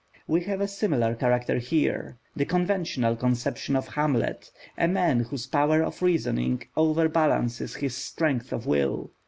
We have a similar character here, the conventional conception of Hamlet, a man whose power of reasoning overbalances his strength of will.